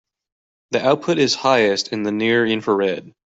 The output is highest in the near infrared.